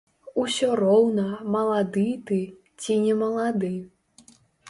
Усё роўна, малады ты ці не малады.